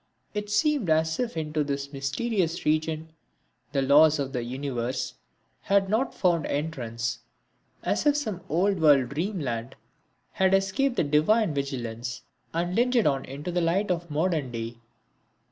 It seemed as if into this mysterious region the laws of the universe had not found entrance; as if some old world dream land had escaped the divine vigilance and lingered on into the light of modern day.